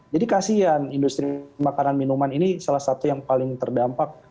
jadi kasian industri makanan minuman ini salah satu yang paling terdampak